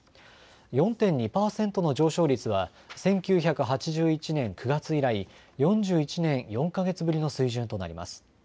４．２％の上昇率は１９８１年９月以来、４１年４か月ぶりの水準となります。